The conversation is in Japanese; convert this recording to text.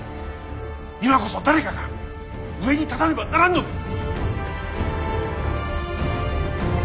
今こそ誰かが上に立たねばならんのです！